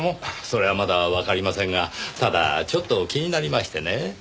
それはまだわかりませんがただちょっと気になりましてねぇ。